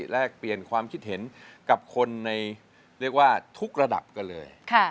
แลกเปลี่ยนความคิดเห็นกับคนในเรียกว่าทุกระดับกันเลย